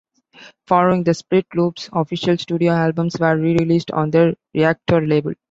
Following the split Loop's official studio albums were re-released on their Reactor label.